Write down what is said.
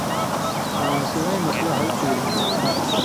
آں سِوَیں مسلہ حل کیریۡ تُھو۔